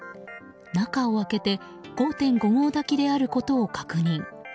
中を開けて５．５合炊きであることを確認。